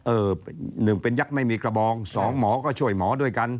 หนึ่งเป็นยักษ์ไม่มีกระบองสองหมอก็ช่วยหมอด้วยกัน